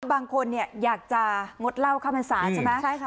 บางคนเนี่ยอยากจะงดล่าว์เข้าภัณฑ์ศาศ์ใช่ไหมใช่ค่ะ